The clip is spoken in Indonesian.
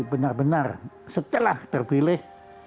benar benar setelah terpilih